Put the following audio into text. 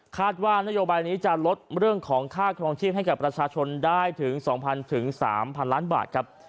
คาดว่านโยบายนี้จะลดเรื่องของค่าครองชีพให้กับประชาชนได้ถึงสองพันถึงสามพันล้านบาทครับ